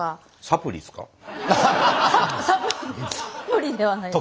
サプリサプリではないです。